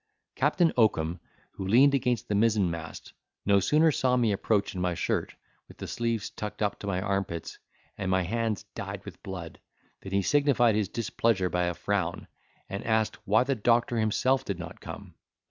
Captain Oakum, who leaned against the mizen mast, no sooner saw me approach in my shirt, with the sleeves tucked up to my armpits, and my hands dyed with blood, than he signified his displeasure by a frown, and asked why the doctor himself did not come?